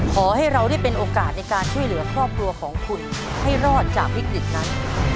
ขอให้เราได้เป็นโอกาสในการช่วยเหลือครอบครัวของคุณให้รอดจากวิกฤตนั้น